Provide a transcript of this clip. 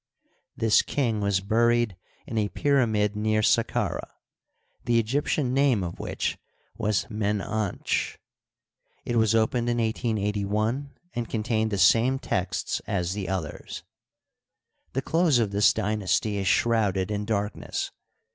This king was buried in a pyramid near Saqqarah, the Egyptian name of which was Men dnch, It was opened in 1881, and contained the same texts as the oth ers. The close of this dynasty is shrouded in darkness.